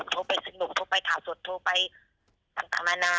โทรไปสนุกโทรไปข่าวสดโทรไปต่างนานา